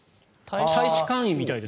大使館員みたいです。